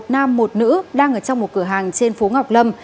một nam một nữ đang ở trong một cửa hàng trên phố ngọc lâm